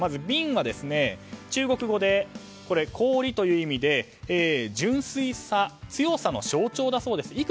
ビンは中国語で氷という意味で純粋さ、強さの象徴だそうです。